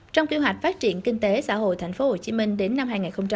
trong kế hoạch phát triển kinh tế xã hội thành phố hồ chí minh đến năm hai nghìn hai mươi